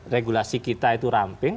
regulasi kita itu ramping